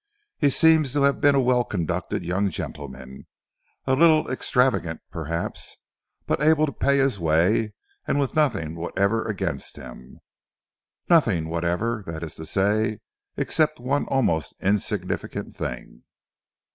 He seems to have been a well conducted young gentleman, a little extravagant, perhaps, but able to pay his way and with nothing whatever against him. Nothing whatever, that is to say, except one almost insignificant thing."